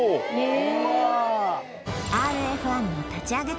ＲＦ１の立ち上げ